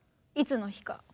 いつの日か。